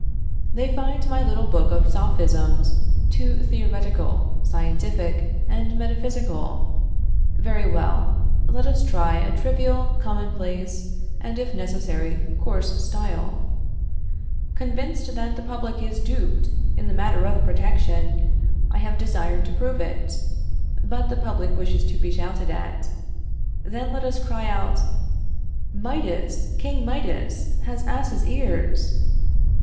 They find my little book of Sophisms too theoretical, scientific, and metaphysical. Very well. Let us try a trivial, commonplace, and, if necessary, coarse style. Convinced that the public is duped in the matter of protection, I have desired to prove it. But the public wishes to be shouted at. Then let us cry out: "Midas, King Midas, has asses' ears!"